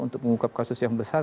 untuk mengungkap kasus yang besar